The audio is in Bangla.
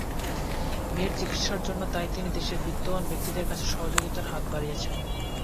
মেয়ের চিকিৎসার জন্য তাই তিনি দেশের বিত্তবান ব্যক্তিদের কাছে সহযোগিতার হাত বাড়িয়েছেন।